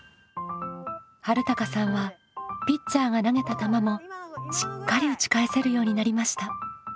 はるたかさんはピッチャーが投げた球もしっかり打ち返せるようになりました。